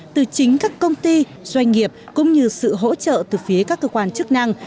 từ chính các công ty doanh nghiệp cũng như sự hỗ trợ từ phía các cơ quan chức năng